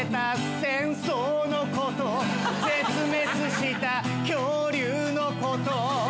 「戦争のこと絶滅した恐竜のこと」